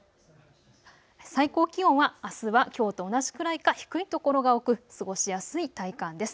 最高気温はあすはきょうと同じくらいか低い所が多く過ごしやすい体感です。